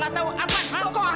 oh oh buat begini fifty reagan